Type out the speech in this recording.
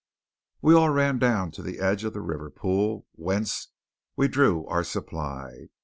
We all ran down to the edge of the river pool whence we drew our supply.